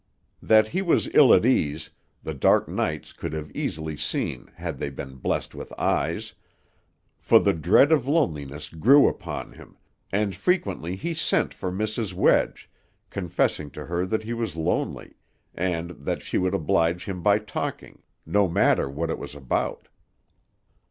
That he was ill at ease, the dark nights could have easily seen had they been blessed with eyes; for the dread of loneliness grew upon him, and frequently he sent for Mrs. Wedge, confessing to her that he was lonely, and that she would oblige him by talking, no matter what it was about.